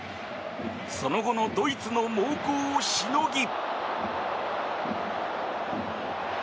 その後のドイツの猛攻をしのぎ。